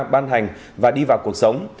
ban hành và đi vào cuộc sống